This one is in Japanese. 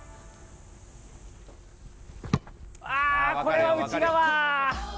あーこれは内側。